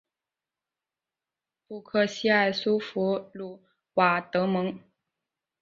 布克西埃苏弗鲁瓦德蒙。